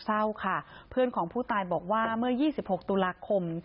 เศร้าค่ะเพื่อนของผู้ตายบอกว่าเมื่อ๒๖ตุลาคม